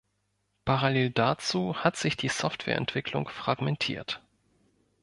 Parallel dazu hat sich die Software-Entwicklung fragmentiert.